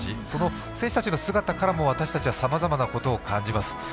その選手たちの姿からも私たちはさまざまなことを感じます。